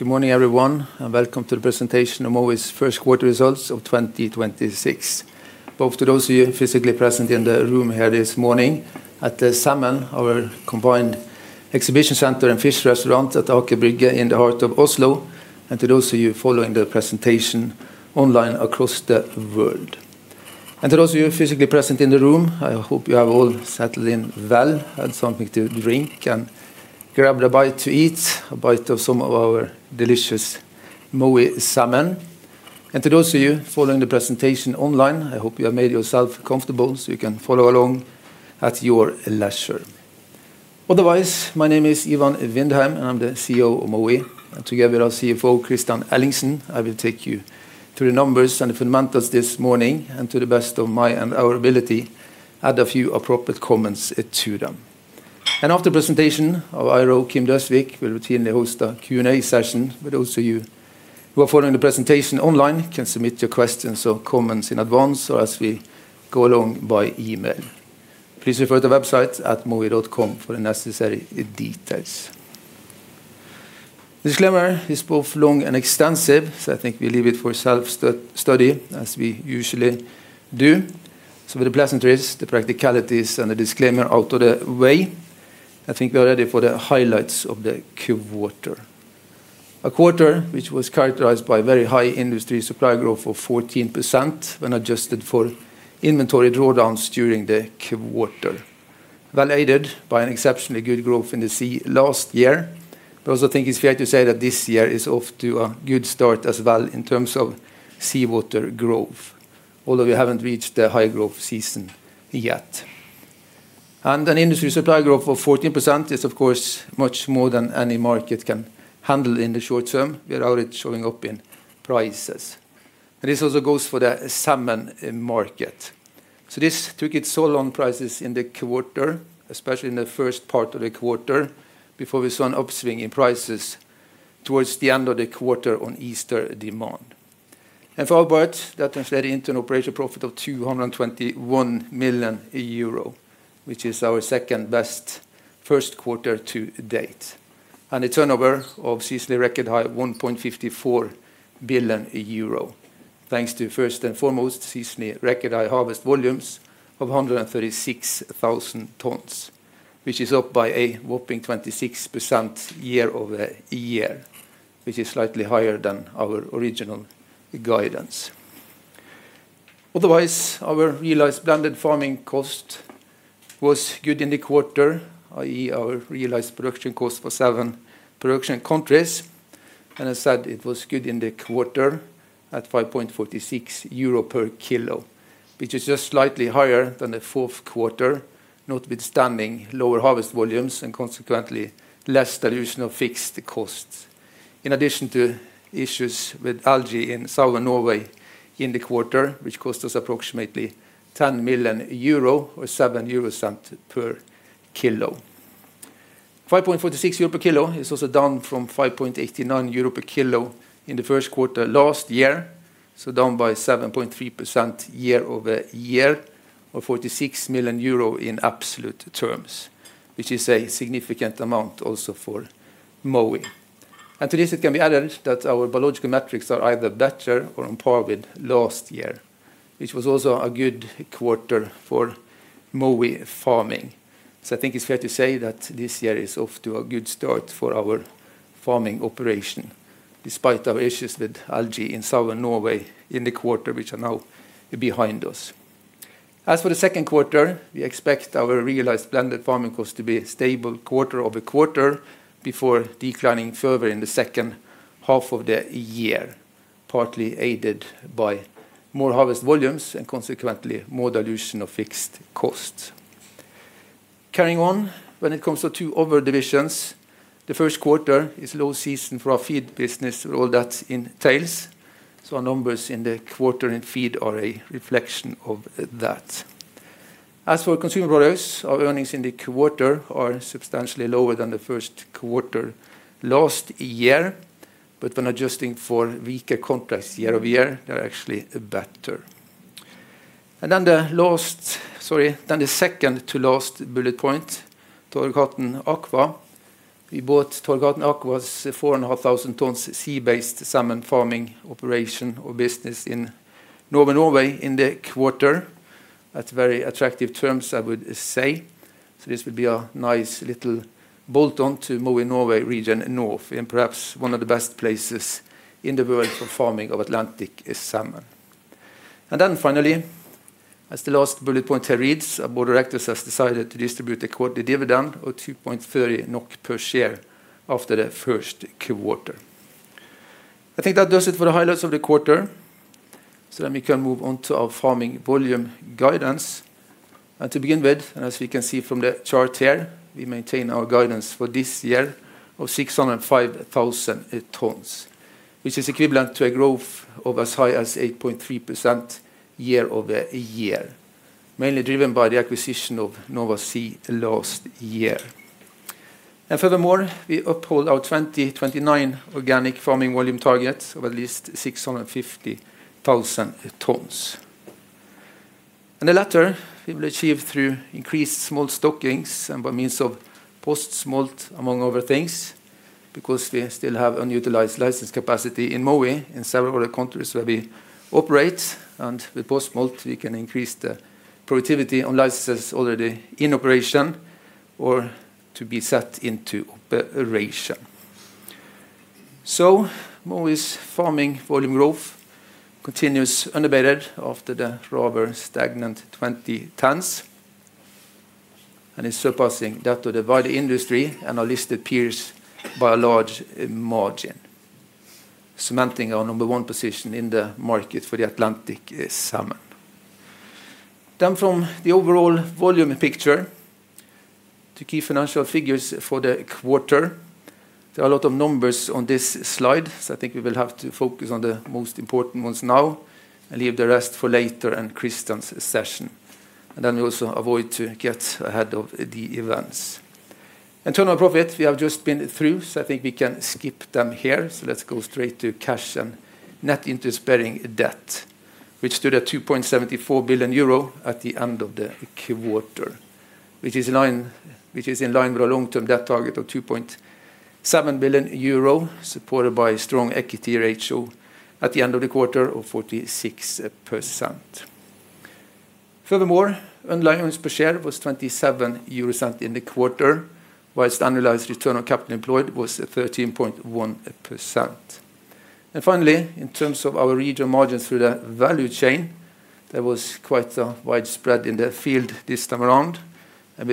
Good morning, everyone, welcome to The Presentation of Mowi's Q1 results of 2026. Both to those of you physically present in the room here this morning at The Salmon, our combined exhibition center and fish restaurant at Aker Brygge in the heart of Oslo, to those of you following the presentation online across the world. To those of you physically present in the room, I hope you have all settled in well, had something to drink, and grabbed a bite to eat, a bite of some of our delicious Mowi salmon. To those of you following the presentation online, I hope you have made yourself comfortable so you can follow along at your leisure. Otherwise, my name is Ivan Vindheim, I'm the CEO of Mowi. Together with our CFO, Kristian Ellingsen, I will take you through the numbers and fundamentals this morning and to the best of my and our ability, add a few appropriate comments to them. After presentation, our IRO, Kim Galtung Døsvig, will routinely host a Q&A session with those of you who are following the presentation online can submit your questions or comments in advance or as we go along by email. Please refer to our website at mowi.com for the necessary details. Disclaimer is both long and extensive, so I think we leave it for self-study as we usually do. With the pleasantries, the practicalities, and the disclaimer out of the way, I think we are ready for the highlights of the quarter. A quarter which was characterized by very high industry supply growth of 14% when adjusted for inventory drawdowns during the quarter. Well aided by an exceptionally good growth in the sea last year. We also think it's fair to say that this year is off to a good start as well in terms of seawater growth, although we haven't reached the high-growth season yet. An industry supply growth of 14% is, of course, much more than any market can handle in the short term without it showing up in prices. This also goes for the salmon market. This took its toll on prices in the quarter, especially in the first part of the quarter, before we saw an upswing in prices towards the end of the quarter on Easter demand. For our part, that translated into an operational profit of 221 million euro, which is our second-best Q1 to date. A turnover of seasonally record high 1.54 billion euro. Thanks to first and foremost, seasonally record high harvest volumes of 136,000 tons, which is up by a whopping 26% YoY, which is slightly higher than our original guidance. Our realized blended farming cost was good in the quarter, i.e., our realized production cost for seven production countries. I said it was good in the quarter at 5.46 euro per kg, which is just slightly higher than the Q4, notwithstanding lower harvest volumes and consequently less dilution of fixed costs. In addition to issues with algae in Southern Norway in the quarter, which cost us approximately 10 million euro or 0.07 per kg. 5.46 euro per kg is also down from 5.89 euro per kg in the Q1 last year, so down by 7.3% YoY or 46 million euro in absolute terms, which is a significant amount also for Mowi. To this it can be added that our biological metrics are either better or on par with last year, which was also a good quarter for Mowi farming. I think it's fair to say that this year is off to a good start for our farming operation, despite our issues with algae in Southern Norway in the quarter, which are now behind us. As for the Q2, we expect our realized blended farming cost to be stable QoQ before declining further in the H2 of the year, partly aided by more harvest volumes and consequently more dilution of fixed costs. Carrying on, when it comes to two other divisions, the Q1 is low season for our feed business and all that entails. Our numbers in the quarter in feed are a reflection of that. As for Consumer Products, our earnings in the quarter are substantially lower than the Q1 last year. When adjusting for weaker contracts YoY, they are actually better. The second to last bullet point, Torghatten Aqua. We bought Torghatten Aqua's 4,500 tonnes sea-based salmon farming operation or business in Northern Norway in the quarter at very attractive terms, I would say. This would be a nice little bolt-on to Mowi Norway Region North in perhaps one of the best places in the world for farming of Atlantic salmon. Finally, as the last bullet point here reads, our board of directors has decided to distribute a quarterly dividend of 2.30 NOK per share after the Q1. I think that does it for the highlights of the quarter. We can move on to our farming volume guidance. To begin with, as we can see from the chart here, we maintain our guidance for this year of 605,000 tonnes, which is equivalent to a growth of as high as 8.3% YoY, mainly driven by the acquisition of Nova Sea last year. Furthermore, we uphold our 2029 organic farming volume targets of at least 650,000 tonnes. The latter, we will achieve through increased smolt stock gains and by means of post-smolt, among other things, because we still have unutilized license capacity in Mowi in several other countries where we operate. With post-smolt, we can increase the productivity on licenses already in operation or to be set into operation. So, Mowi's farming volume growth continues unabated after the rather stagnant 20 tons and is surpassing that of the wider industry and our listed peers by a large margin, cementing our number one position in the market for the Atlantic salmon. From the overall volume picture, the key financial figures for the quarter. There are a lot of numbers on this slide, I think we will have to focus on the most important ones now and leave the rest for later in Kristian's session. We also avoid to get ahead of the events. Total profit, we have just been through, I think we can skip them here. Let's go straight to cash and net interest-bearing debt, which stood at 2.74 billion euro at the end of the quarter, which is in line with our long-term debt target of 2.7 billion euro, supported by a strong equity ratio at the end of the quarter of 46%. Furthermore, underlying earnings per share was 0.27 euros in the quarter, whilst annualized return on capital employed was 13.1%. Finally, in terms of our regional margins through the value chain, there was quite a wide spread in the field this time around, and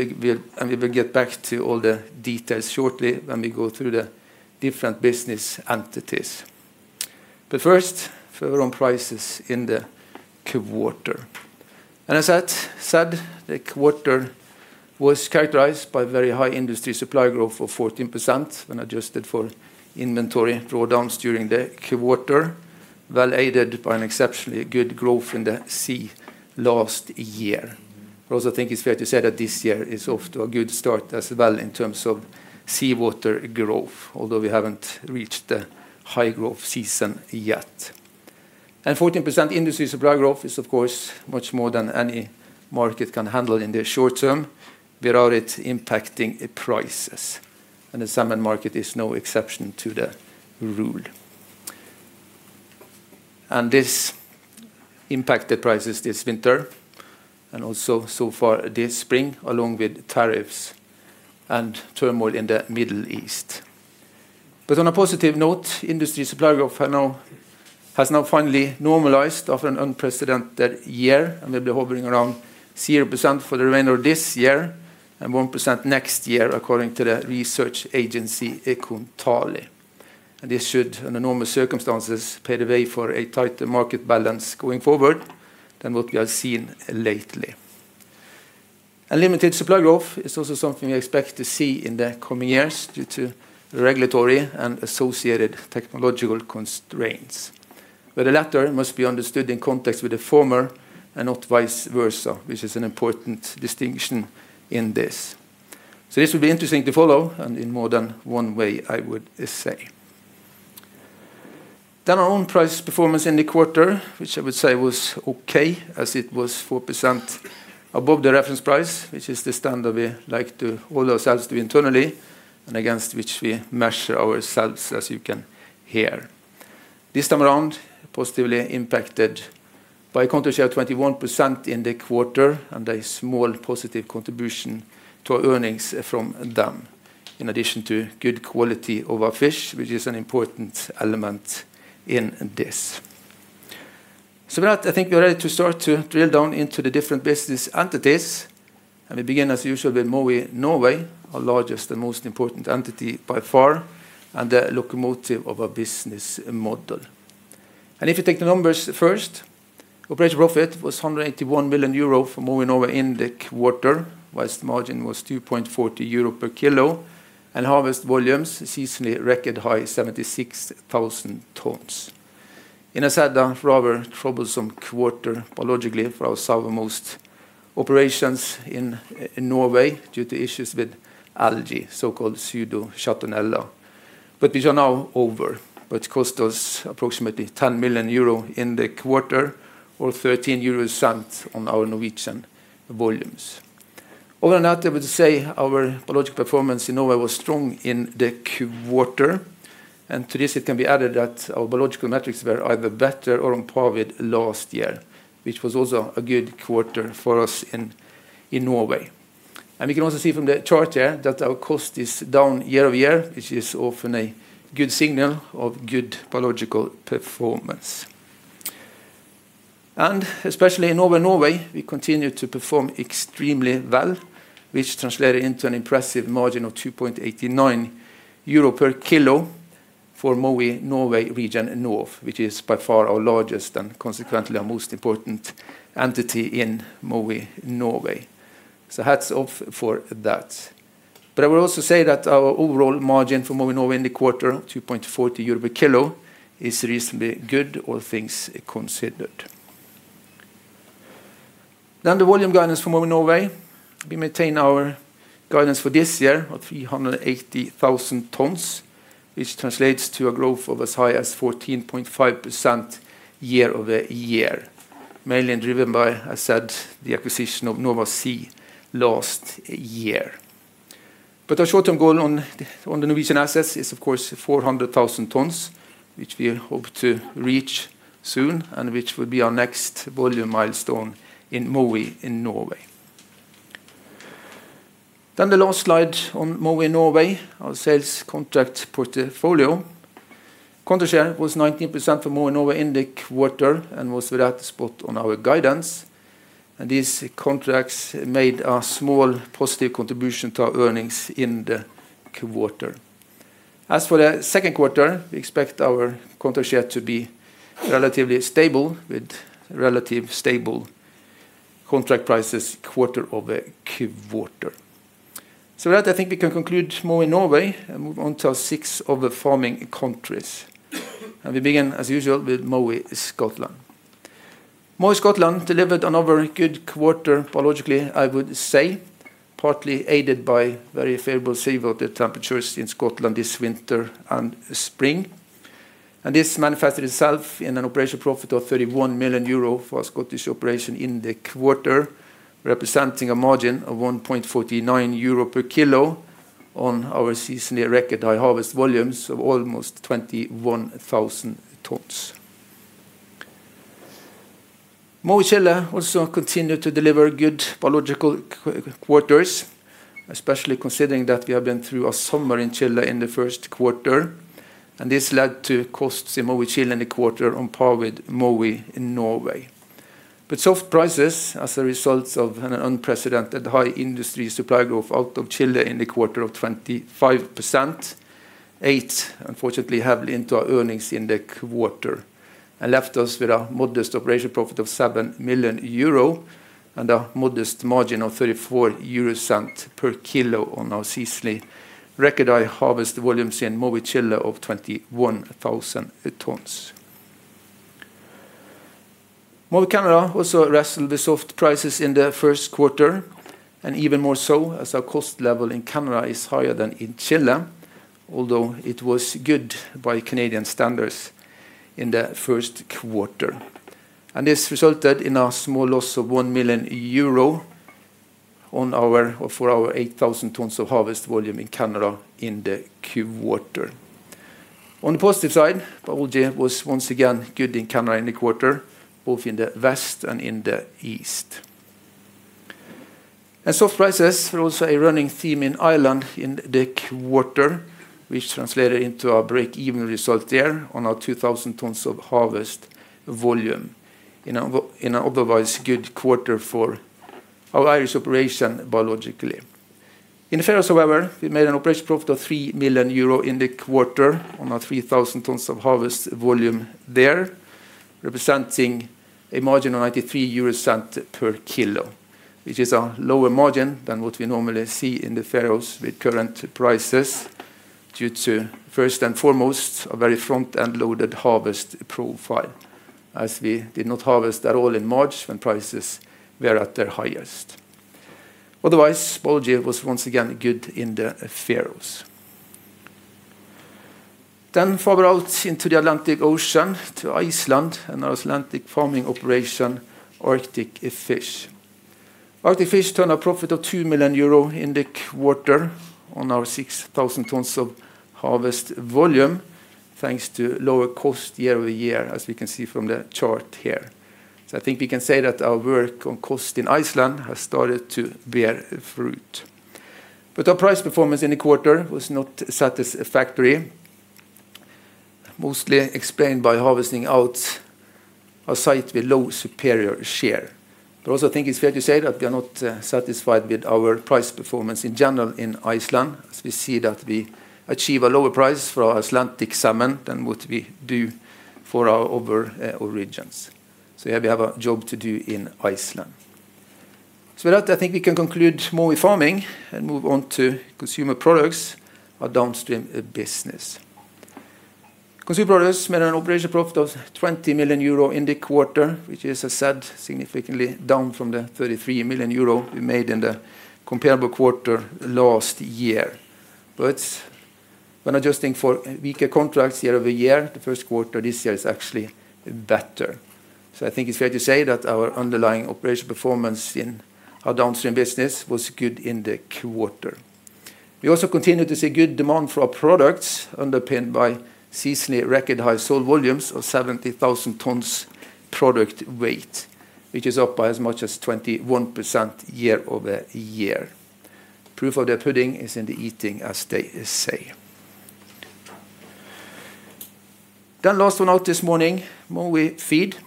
we will get back to all the details shortly when we go through the different business entities. First, further on prices in the quarter. As I said, the quarter was characterized by very high industry supply growth of 14% when adjusted for inventory drawdowns during the quarter, well aided by an exceptionally good growth in the sea last year. I also think it's fair to say that this year is off to a good start as well in terms of seawater growth, although we haven't reached the high-growth season yet. 14% industry supply growth is of course much more than any market can handle in the short term without it impacting prices, and the salmon market is no exception to the rule. This impacted prices this winter and also so far this spring, along with tariffs and turmoil in the Middle East. On a positive note, industry supply growth has now finally normalized after an unprecedented year, and will be hovering around 0% for the remainder of this year and 1% next year, according to the research agency Kontali. This should, under normal circumstances, pave the way for a tighter market balance going forward than what we have seen lately. Limited supply growth is also something we expect to see in the coming years due to regulatory and associated technological constraints. The latter must be understood in context with the former and not vice versa, which is an important distinction in this. This will be interesting to follow, and in more than one way, I would say. Our own price performance in the quarter, which I would say was okay, as it was 4% above the reference price, which is the standard we like to hold ourselves to internally and against which we measure ourselves, as you can hear. This time around, positively impacted by contract share of 21% in the quarter and a small positive contribution to our earnings from them, in addition to good quality of our fish, which is an important element in this. With that, I think we are ready to start to drill down into the different business entities. We begin, as usual, with Mowi Norway, our largest and most important entity by far, and the locomotive of our business model. If you take the numbers first, operating profit was 181 million euro for Mowi Norway in the quarter, whilst margin was 2.40 euro per kg, and harvest volumes a seasonally record high 76,000 tons. In a rather troublesome quarter biologically for our southernmost operations in Norway due to issues with algae, so-called Pseudochattonella. These are now over, but it cost us approximately 10 million euro in the quarter or 0.13 on our Norwegian volumes. Other than that, I would say our biological performance in Norway was strong in the quarter. To this it can be added that our biological metrics were either better or on par with last year, which was also a good quarter for us in Norway. We can also see from the chart here that our cost is down YoY, which is often a good signal of good biological performance. Especially in Norway, we continue to perform extremely well, which translated into an impressive margin of 2.89 euro per kg for Mowi Norway region north, which is by far our largest and consequently our most important entity in Mowi Norway. Hats off for that. I will also say that our overall margin for Mowi Norway in the quarter, 2.40 euro per kg, is reasonably good, all things considered. The volume guidance for Mowi Norway. We maintain our guidance for this year of 380,000 tons. Which translates to a growth of as high as 14.5% YoY. Mainly driven by, I said, the acquisition of Nova Sea last year. Our short-term goal on the Norwegian assets is of course 400,000 tons, which we hope to reach soon and which will be our next volume milestone in Mowi Norway. The last slide on Mowi Norway, our sales contract portfolio. Contract share was 19% for Mowi Norway in the quarter and was right spot on our guidance, and these contracts made a small positive contribution to our earnings in the quarter. As for the Q2, we expect our contract share to be relatively stable with relative stable contract prices QoQ. With that, I think we can conclude Mowi Norway and move on to our six other farming countries. We begin as usual with Mowi Scotland. Mowi Scotland delivered another good quarter biologically, I would say, partly aided by very favorable seawater temperatures in Scotland this winter and spring. This manifested itself in an operational profit of 31 million euro for our Scottish operation in the quarter, representing a margin of 1.49 euro per kg on our seasonally record high harvest volumes of almost 21,000 tons. Mowi Chile also continued to deliver good biological quarters, especially considering that we have been through a summer in Chile in the Q1. This led to costs in Mowi Chile in the quarter on par with Mowi Norway. Soft prices as a result of an unprecedented high industry supply growth out of Chile in the quarter of 25%, ate unfortunately heavily into our earnings in the quarter and left us with a modest operational profit of 7 million euro and a modest margin of 0.34 per kg on our seasonally record high harvest volumes in Mowi Chile of 21,000 tons. Mowi Canada also wrestled with soft prices in the Q1, and even more so as our cost level in Canada is higher than in Chile, although it was good by Canadian standards in the Q1. This resulted in a small loss of 1 million euro for our 8,000 tons of harvest volume in Canada in the quarter. On the positive side, biology was once again good in Canada in the quarter, both in the west and in the east. Soft prices were also a running theme in Ireland in the quarter, which translated into a break-even result there on our 2,000 tons of harvest volume in an otherwise good quarter for our Irish operation biologically. In the Faroes, however, we made an operational profit of 3 million euro in the quarter on our 3,000 tons of harvest volume there, representing a margin of 0.93 per kg, which is a lower margin than what we normally see in the Faroes with current prices due to, first and foremost, a very front-end loaded harvest profile, as we did not harvest at all in March when prices were at their highest. Otherwise, biology was once again good in the Faroes. Further out into the Atlantic Ocean to Iceland and our Atlantic farming operation, Arctic Fish. Arctic Fish turned a profit of 2 million euro in the quarter on our 6,000 tons of harvest volume, thanks to lower cost YoY, as we can see from the chart here. I think we can say that our work on cost in Iceland has started to bear fruit. Our price performance in the quarter was not satisfactory, mostly explained by harvesting out a site with low superior share. Also, I think it's fair to say that we are not satisfied with our price performance in general in Iceland, as we see that we achieve a lower price for our Atlantic salmon than what we do for our other origins. Here we have a job to do in Iceland. With that, I think we can conclude Mowi Farming and move on to Consumer Products, our downstream business. Consumer Products made an operational profit of 20 million euro in the quarter, which is, as said, significantly down from the 33 million euro we made in the comparable quarter last year. When adjusting for weaker contracts YoY, the Q1 this year is actually better. I think it's fair to say that our underlying operational performance in our downstream business was good in the quarter. We also continued to see good demand for our products underpinned by seasonally record high sold volumes of 70,000 tons product weight, which is up by as much as 21% YoY. Proof of the pudding is in the eating, as they say. Last one out this morning, Mowi Feed.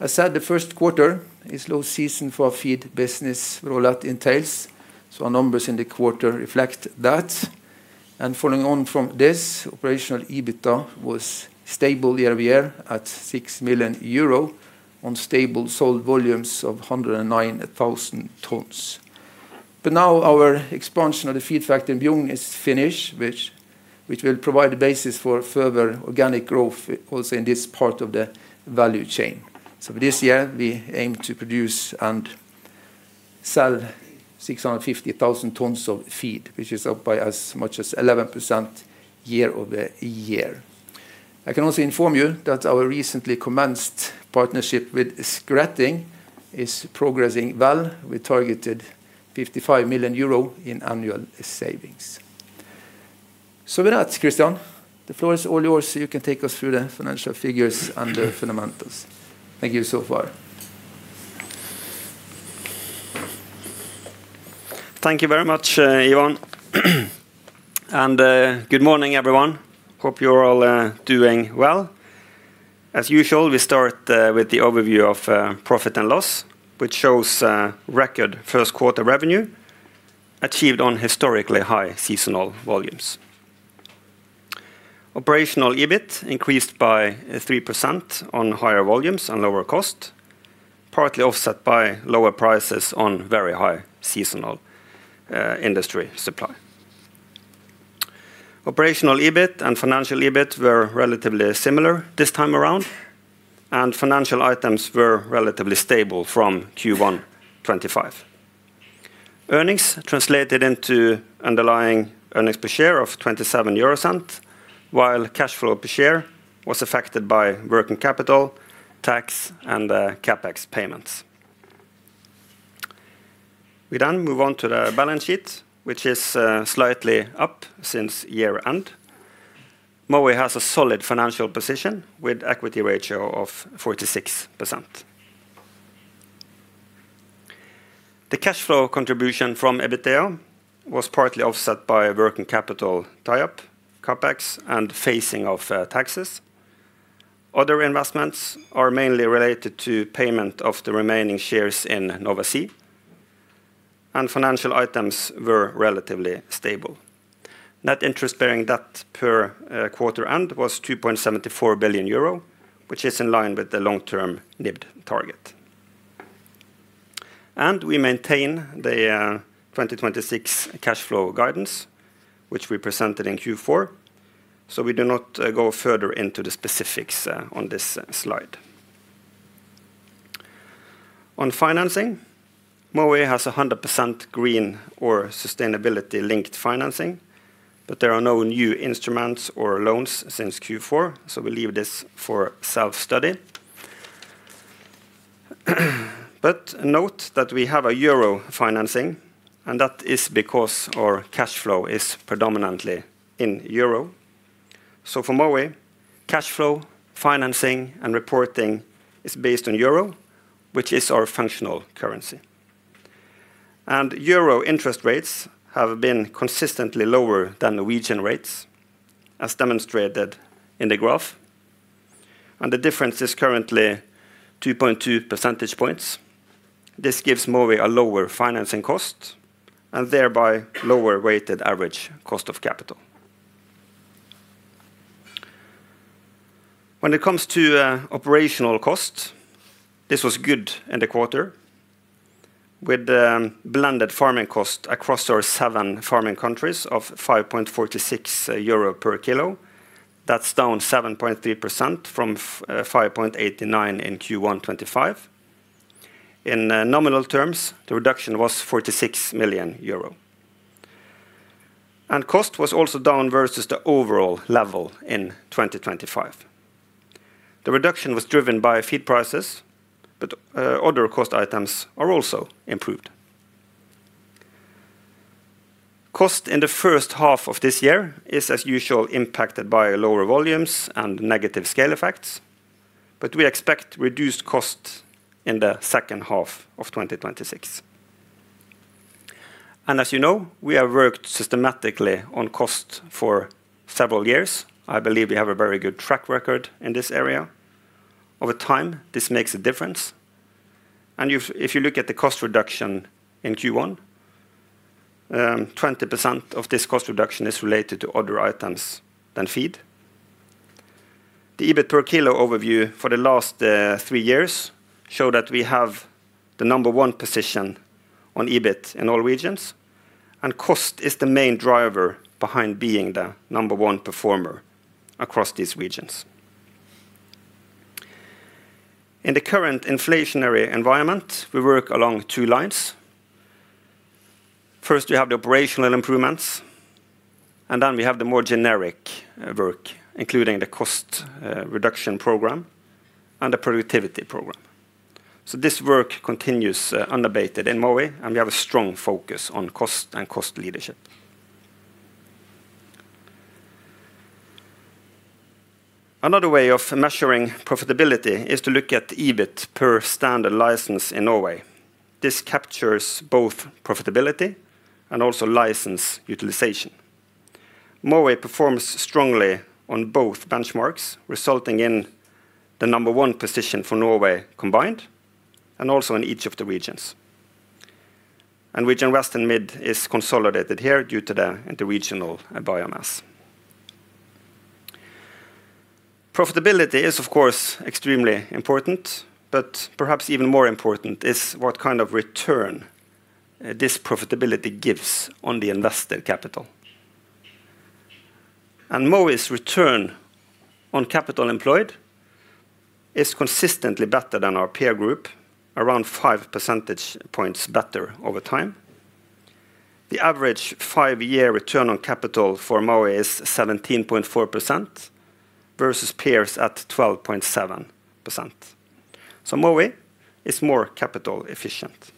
As said, the Q1 is low season for our feed business rollout entails, so our numbers in the quarter reflect that. Following on from this, operational EBITDA was stable YoY at 6 million euro on stable sold volumes of 109,000 tons. Now our expansion of the feed factory in Bjugn is finished, which will provide the basis for further organic growth also in this part of the value chain. This year we aim to produce and sell 650,000 tons of feed, which is up by as much as 11% YoY. I can also inform you that our recently commenced partnership with Skretting is progressing well. We targeted 55 million euro in annual savings. With that, Kristian, the floor is all yours, you can take us through the financial figures and the fundamentals. Thank you so far. Thank you very much, Ivan. Good morning, everyone. Hope you're all doing well. As usual, we start with the overview of profit and loss, which shows record Q1 revenue achieved on historically high seasonal volumes. Operational EBIT increased by 3% on higher volumes and lower cost, partly offset by lower prices on very high seasonal industry supply. Operational EBIT and financial EBIT were relatively similar this time around, and financial items were relatively stable from Q1 2025. Earnings translated into underlying earnings per share of 0.27, while cash flow per share was affected by working capital, tax, and CapEx payments. We move on to the balance sheet, which is slightly up since year-end. Mowi has a solid financial position with equity ratio of 46%. The cash flow contribution from EBITDA was partly offset by working capital tie-up, CapEx, and phasing of taxes. Other investments are mainly related to payment of the remaining shares in Nova Sea, and financial items were relatively stable. Net interest-bearing debt per quarter end was 2.74 billion euro, which is in line with the long-term net target. We maintain the 2026 cash flow guidance, which we presented in Q4, so we do not go further into the specifics on this slide. On financing, Mowi has 100% green or sustainability-linked financing, but there are no new instruments or loans since Q4, so we leave this for self-study. Note that we have a euro financing, and that is because our cash flow is predominantly in euro. For Mowi, cash flow, financing, and reporting is based on euro, which is our functional currency. Euro interest rates have been consistently lower than Norwegian rates, as demonstrated in the graph, and the difference is currently 2.2 percentage points. This gives Mowi a lower financing cost and thereby lower weighted average cost of capital. When it comes to operational costs, this was good in the quarter with blended farming cost across our seven farming countries of 5.46 euro per kg. That's down 7.3% from 5.89 in Q1 2025. In nominal terms, the reduction was 46 million euro. Cost was also down versus the overall level in 2025. The reduction was driven by feed prices, other cost items are also improved. Cost in the H1 of this year is, as usual, impacted by lower volumes and negative scale effects, but we expect reduced costs in the H2 of 2026. As you know, we have worked systematically on cost for several years. I believe we have a very good track record in this area. Over time, this makes a difference. If you look at the cost reduction in Q1, 20% of this cost reduction is related to other items than feed. The EBIT per kg overview for the last three years show that we have the number one position on EBIT in all regions, and cost is the main driver behind being the number one performer across these regions. In the current inflationary environment, we work along two lines. First, we have the operational improvements, and then we have the more generic work, including the cost reduction program and the productivity program. This work continues unabated in Mowi, and we have a strong focus on cost and cost leadership. Another way of measuring profitability is to look at the EBIT per standard license in Norway. This captures both profitability and also license utilization. Mowi performs strongly on both benchmarks, resulting in the number one position for Norway combined and also in each of the regions. Region West and Mid is consolidated here due to the interregional biomass. Profitability is, of course, extremely important, but perhaps even more important is what kind of return this profitability gives on the invested capital. Mowi's return on capital employed is consistently better than our peer group, around five percentage points better over time. The average five-year return on capital for Mowi is 17.4% versus peers at 12.7%. Mowi is more capital efficient.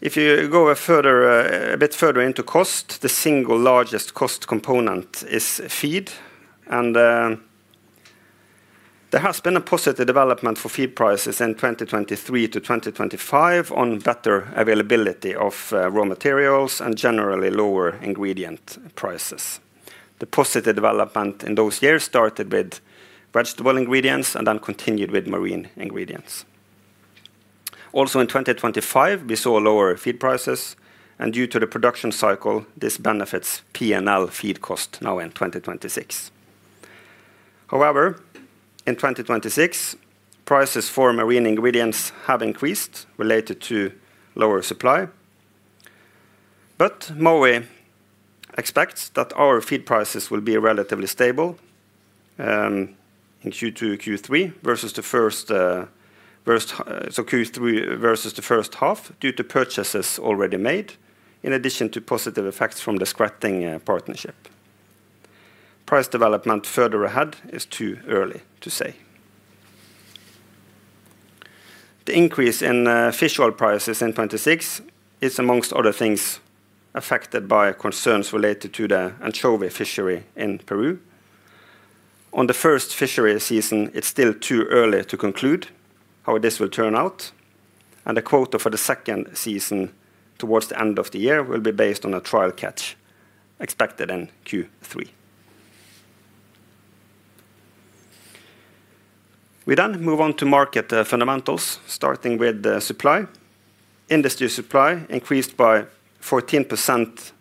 If you go further, a bit further into cost, the single largest cost component is feed. There has been a positive development for feed prices in 2023-2025 on better availability of raw materials and generally lower ingredient prices. The positive development in those years started with vegetable ingredients and then continued with marine ingredients. In 2025, we saw lower feed prices, and due to the production cycle, this benefits P&L feed cost now in 2026. Howerever, in 2026, prices for marine ingredients have increased related to lower supply. Mowi expects that our feed prices will be relatively stable in Q2, Q3 versus the H1 due to purchases already made, in addition to positive effects from the Skretting partnership. Price development further ahead is too early to say. The increase in fish oil prices in 26 is, amongst other things, affected by concerns related to the anchovy fishery in Peru. On the first fishery season, it's still too early to conclude how this will turn out, and the quota for the second season towards the end of the year will be based on a trial catch expected in Q3. We move on to market fundamentals, starting with the supply. Industry supply increased by 14%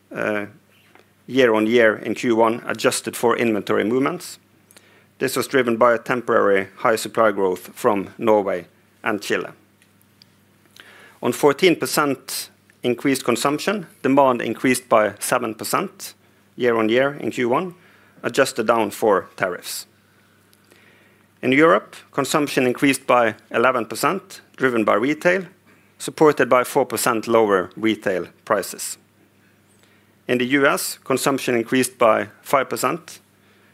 year-on-year in Q1, adjusted for inventory movements. This was driven by a temporary high supply growth from Norway and Chile. On 14% increased consumption, demand increased by 7% year-on-year in Q1, adjusted down for tariffs. In Europe, consumption increased by 11%, driven by retail, supported by 4% lower retail prices. In the US, consumption increased by 5%.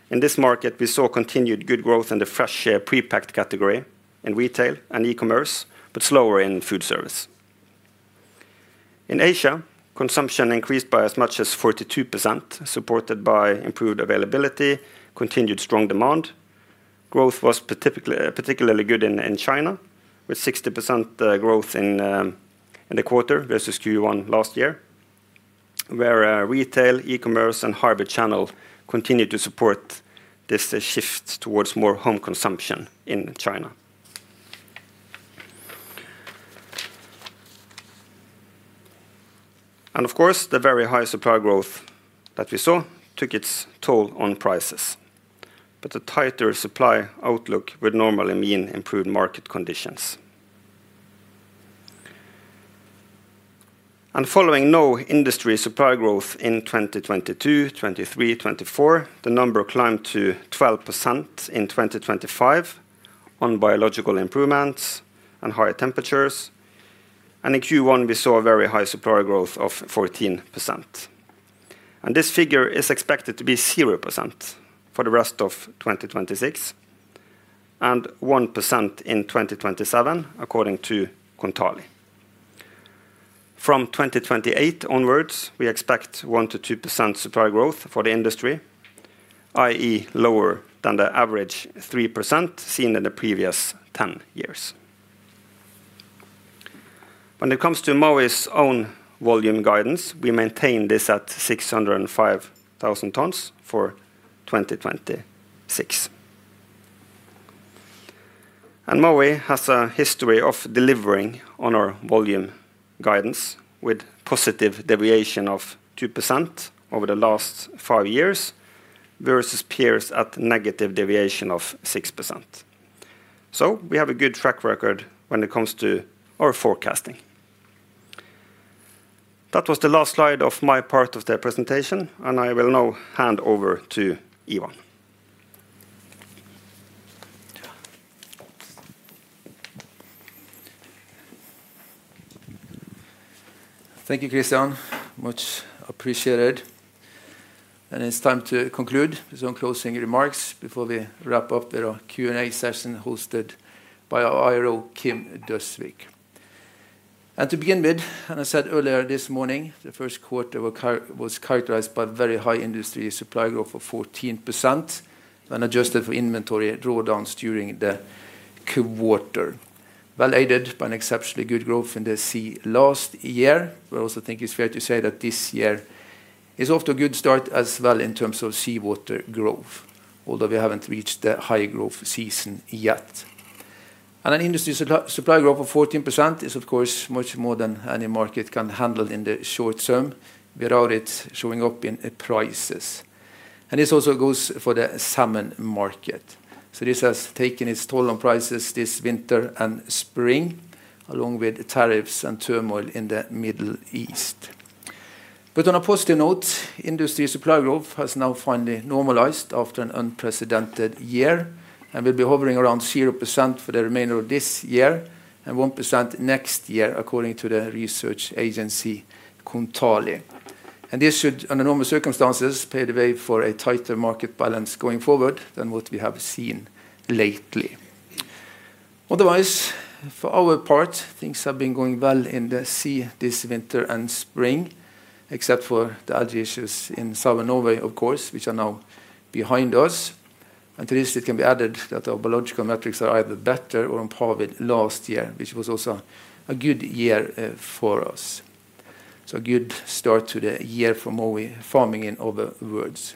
In this market, we saw continued good growth in the fresh pre-packed category in retail and e-commerce, but slower in food service. In Asia, consumption increased by as much as 42%, supported by improved availability, continued strong demand. Growth was particularly good in China, with 60% growth in the quarter versus Q1 last year, where retail, e-commerce, and Hema channel continued to support this shift towards more home consumption in China. Of course, the very high supply growth that we saw took its toll on prices. A tighter supply outlook would normally mean improved market conditions. Following no industry supply growth in 2022, 2023, 2024, the number climbed to 12% in 2025 on biological improvements and higher temperatures. In Q1, we saw a very high supply growth of 14%. This figure is expected to be 0% for the rest of 2026 and 1% in 2027, according to Kontali. From 2028 onwards, we expect 1%-2% supply growth for the industry, i.e., lower than the average 3% seen in the previous 10 years. When it comes to Mowi's own volume guidance, we maintain this at 605,000 tons for 2026. Mowi has a history of delivering on our volume guidance with positive deviation of 2% over the last five-years versus peers at negative deviation of 6%. We have a good track record when it comes to our forecasting. That was the last slide of my part of the presentation, and I will now hand over to Ivan. Thank you, Kristian. Much appreciated. It's time to conclude with some closing remarks before we wrap up with our Q&A session hosted by our IR, Kim Galtung Døsvig. To begin with, as I said earlier this morning, the Q1 was characterized by very high industry supply growth of 14% when adjusted for inventory drawdowns during the quarter. Well aided by an exceptionally good growth in the sea last year. We also think it's fair to say that this year is off to a good start as well in terms of seawater growth, although we haven't reached the high-growth season yet. An industry supply growth of 14% is, of course, much more than any market can handle in the short term without it showing up in prices. This also goes for the salmon market. This has taken its toll on prices this winter and spring, along with tariffs and turmoil in the Middle East. On a positive note, industry supply growth has now finally normalized after an unprecedented year and will be hovering around 0% for the remainder of this year and 1% next year according to the research agency Kontali. This should, under normal circumstances, pave the way for a tighter market balance going forward than what we have seen lately. Otherwise, for our part, things have been going well in the sea this winter and spring, except for the algae issues in Southern Norway, of course, which are now behind us. To this it can be added that our biological metrics are either better or on par with last year, which was also a good year for us. A good start to the year for Mowi Farming in other words.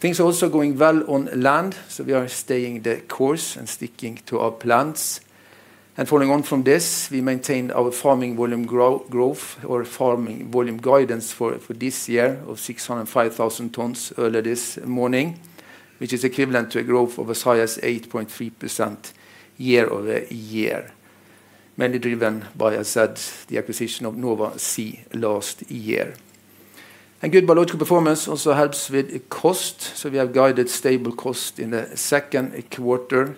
Things are also going well on land, we are staying the course and sticking to our plans. Following on from this, we maintain our farming volume growth or farming volume guidance for this year of 605,000 tons earlier this morning, which is equivalent to a growth of as high as 8.3% YoY, mainly driven by, as said, the acquisition of Nova Sea last year. Good biological performance also helps with cost, we have guided stable cost in the Q2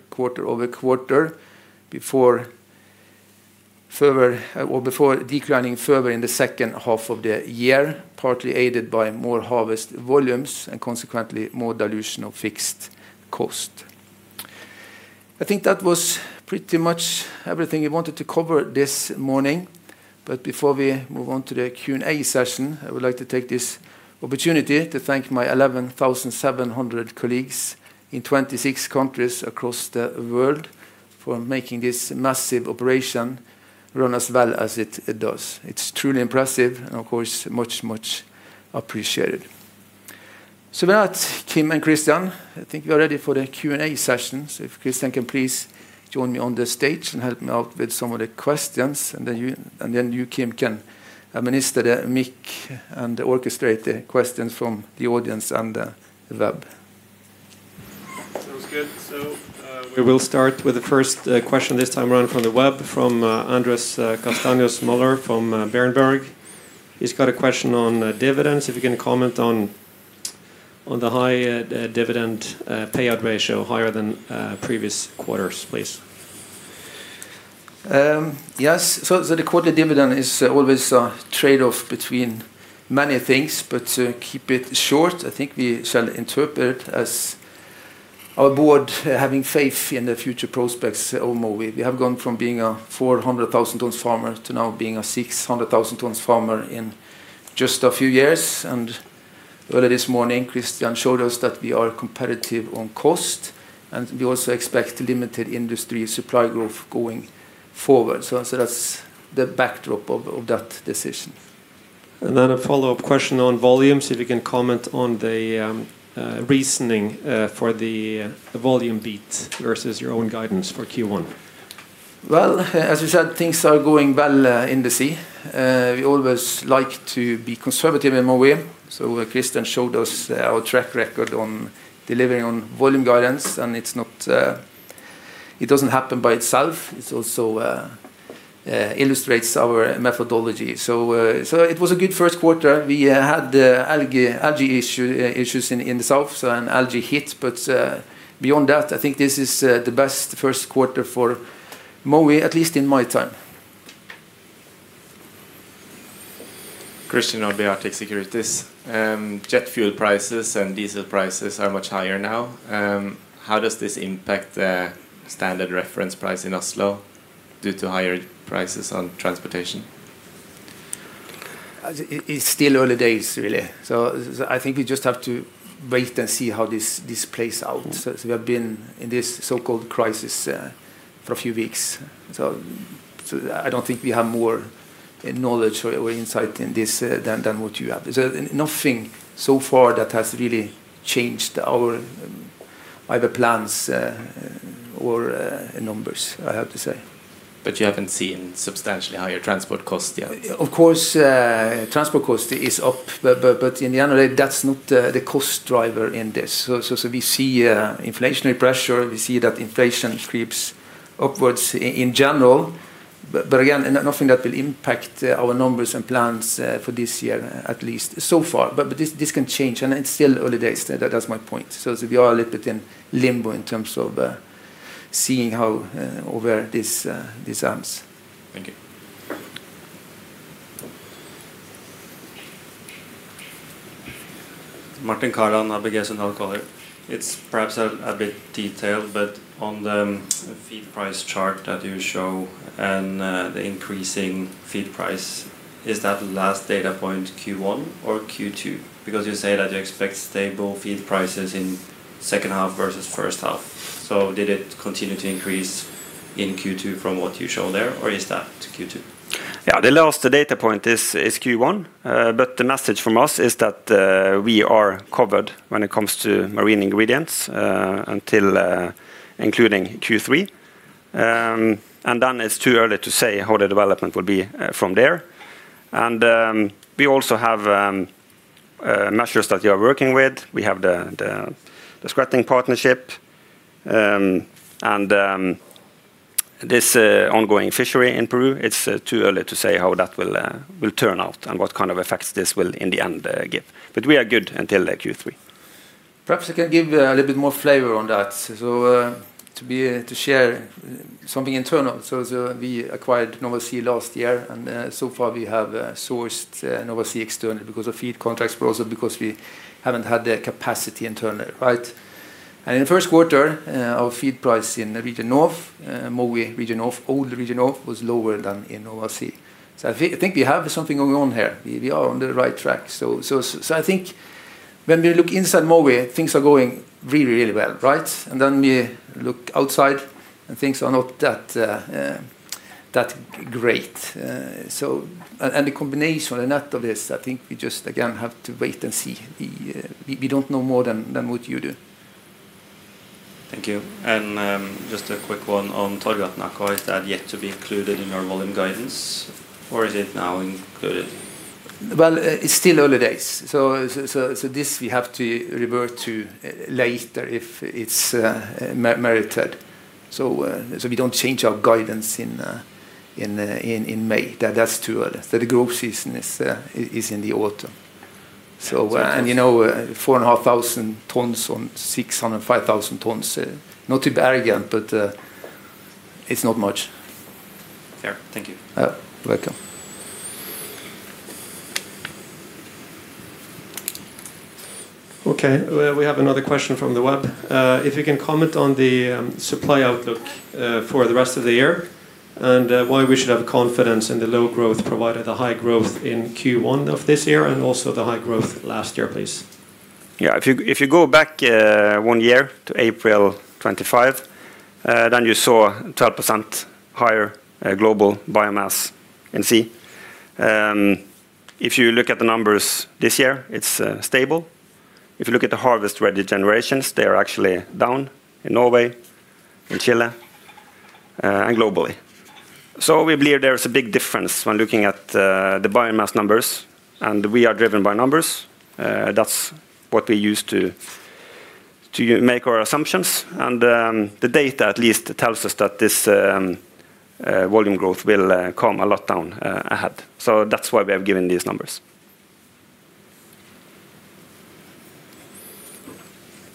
QoQ, before declining further in the H2 of the year, partly aided by more harvest volumes and consequently more dilution of fixed cost. I think that was pretty much everything we wanted to cover this morning. Before we move on to the Q&A session, I would like to take this opportunity to thank my 11,700 colleagues in 26 countries across the world for making this massive operation run as well as it does. It's truly impressive and of course, much, much appreciated. With that, Kim and Kristian, I think we are ready for the Q&A session. If Kristian can please join me on the stage and help me out with some of the questions, and then you, Kim, can administer the mic and orchestrate the questions from the audience and the web. We will start with the first question this time around from the web, from Andrés Castaños-Mollor from Berenberg. He's got a question on dividends. If you can comment on the high dividend payout ratio higher than previous quarters, please. Yes. The quarterly dividend is always a trade-off between many things, but to keep it short, I think we shall interpret as our board having faith in the future prospects at Mowi. We have gone from being a 400,000 tons farmer to now being a 600,000 tons farmer in just a few years. Earlier this morning, Kristian showed us that we are competitive on cost, and we also expect limited industry supply growth going forward. That's the backdrop of that decision. A follow-up question on volume, see if you can comment on the reasoning for the volume beat versus your own guidance for Q1? As we said, things are going well in the sea. We always like to be conservative in Mowi. Kristian showed us our track record on delivering on volume guidance. It doesn't happen by itself. It also illustrates our methodology. It was a good Q1. We had the algae issue in the south and algae hit. Beyond that, I think this is the best Q1 for Mowi, at least in my time. Christian Nordby, Arctic Securities. Jet fuel prices and diesel prices are much higher now. How does this impact the standard reference price in Oslo due to higher prices on transportation? It's still early days, really. I think we just have to wait and see how this plays out. We have been in this so-called crisis for a few weeks. I don't think we have more knowledge or insight in this than what you have. There's nothing so far that has really changed our either plans or numbers, I have to say. You haven't seen substantially higher transport costs yet? Of course, transport cost is up. In the end, that's not the cost driver in this. We see inflationary pressure. We see that inflation creeps upwards in general. Again, nothing that will impact our numbers and plans for this year, at least so far. This can change, and it's still early days. That's my point. We are a little bit in limbo in terms of seeing how all where this ends. Thank you. Yeah. Martin Kaland, ABG Sundal Collier. It's perhaps a bit detailed, but on the feed price chart that you show and the increasing feed price, is that last data point Q1 or Q2? You say that you expect stable feed prices in H2 versus H1. Did it continue to increase in Q2 from what you show there, or is that Q2? Yeah. The last data point is Q1. The message from us is that we are covered when it comes to marine ingredients until including Q3. Then it's too early to say how the development will be from there. We also have measures that we are working with. We have the Skretting partnership. This ongoing fishery in Peru, it's too early to say how that will turn out and what kind of effects this will in the end give. We are good until Q3. Perhaps I can give a little bit more flavor on that. To share something internal. We acquired Nova Sea last year, and so far we have sourced Nova Sea externally because of feed contracts, but also because we haven't had the capacity internally, right? In the Q1, our feed price in the Region North, Mowi Region North, old Region North, was lower than in Nova Sea. I think we have something going on here. We are on the right track. I think when we look inside Mowi, things are going really, really well, right? We look outside and things are not that great. The combination on that of this, I think we just, again, have to wait and see. We don't know more than what you do. Thank you. Just a quick one on Torghatten Aqua. Is that yet to be included in your volume guidance, or is it now included? Well, it's still early days, so this we have to revert to later if it's merited. We don't change our guidance in May. That's too early. The growth season is in the autumn. So it's. You know, 4,500 tons on 605,000 tons, not to be arrogant, but, it's not much. Fair. Thank you. Welcome. Okay. We have another question from the web. If you can comment on the supply outlook for the rest of the year and why we should have confidence in the low growth provided the high growth in Q1 of this year and also the high growth last year, please? If you go back one year to April 2025, you saw 12% higher global biomass in sea. If you look at the numbers this year, it's stable. If you look at the harvest-ready generations, they are actually down in Norway, in Chile, and globally. We believe there is a big difference when looking at the biomass numbers, and we are driven by numbers. That's what we use to make our assumptions. The data at least tells us that this volume growth will come a lot down ahead. That's why we have given these numbers.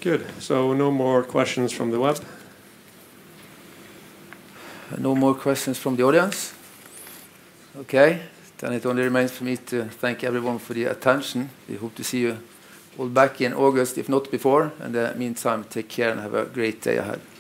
Good. No more questions from the web. No more questions from the audience. It only remains for me to thank everyone for the attention. We hope to see you all back in August, if not before. In the meantime, take care and have a great day ahead. Thank you.